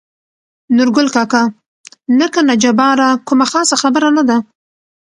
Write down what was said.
نورګل کاکا: نه کنه جباره کومه خاصه خبره نه ده.